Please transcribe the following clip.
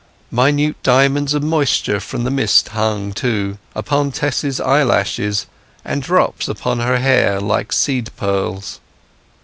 Minute diamonds of moisture from the mist hung, too, upon Tess's eyelashes, and drops upon her hair, like seed pearls.